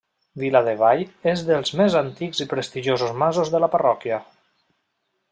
Viladevall és dels més antics i prestigiosos masos de la parròquia.